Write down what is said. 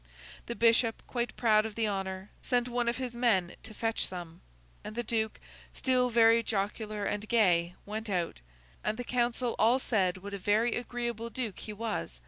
The Bishop, quite proud of the honour, sent one of his men to fetch some; and the Duke, still very jocular and gay, went out; and the council all said what a very agreeable duke he was!